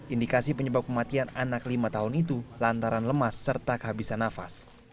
indikasi penyebab kematian anak lima tahun itu lantaran lemas serta kehabisan nafas